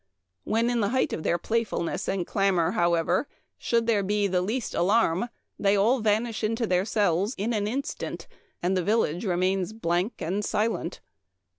While in the height of their playfulness and clamor, however, should there be the least alarm they all vanish into their cells in an instant, and the village remains blank and silent.